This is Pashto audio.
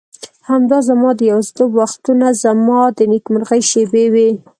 همدا زما د یوازیتوب وختونه زما د نېکمرغۍ شېبې وې.